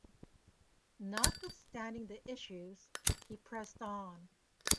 Notwithstanding the issues, he pressed on.